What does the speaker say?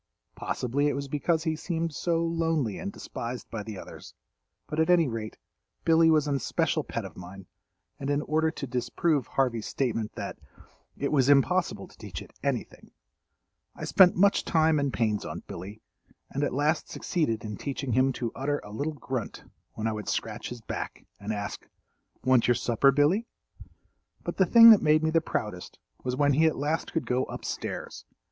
Possibly it was because he seemed so lonely and despised by the others, but at any rate, Billy was an especial pet of mine, and in order to disprove Harvey's statement that, "it was impossible to teach it anything," I spent much time and pains on Billy, and at last succeeded in teaching him to utter a little grunt when I would scratch his back and ask, "Want your supper, Billy?" But the thing that made me the proudest was when he at last could go up stairs.